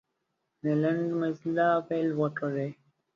له لنډ مزله پیل وکړئ.